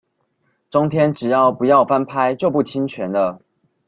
中天只要不要翻拍就不侵權了